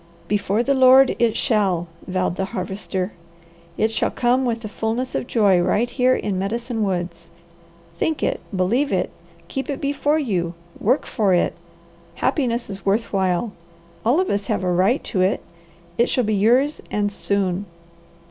"Before the Lord it shall!" vowed the Harvester. "It shall come with the fulness of joy right here in Medicine Woods. Think it! Believe it! Keep it before you! Work for it! Happiness is worth while! All of us have a right to it! It shall be yours and soon."